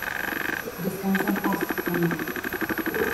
Descansa en paz, amigo.